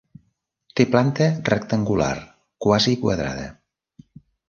Té planta rectangular, quasi quadrada.